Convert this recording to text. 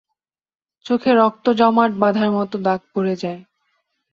চোখে রক্ত জমাট বাধার মত দাগ পরে যায়।